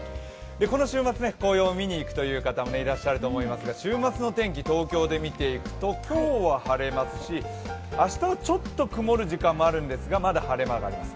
この週末、紅葉を見にいく方もいらっしゃると思いますが週末の天気、東京で見ていくと今日は晴れますし明日はちょっと曇る時間もあるんですが、まだ晴れます。